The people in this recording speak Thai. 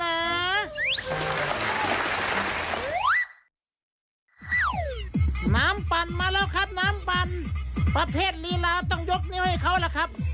น้ำปั่นมาแล้วครับน้ำปั่นประเภทลีลาต้องยกนิ้วให้เขาล่ะครับ